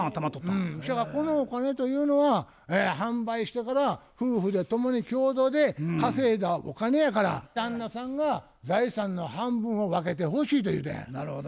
このお金というのは販売してから夫婦で共に共同で稼いだお金やから旦那さんが財産の半分を分けてほしいと言うてん。